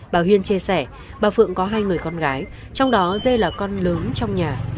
bà huyền chia sẻ bà phượng có hai người con gái trong đó dê là con lớn trong nhà